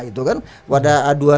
itu kan pada dua ribu sepuluh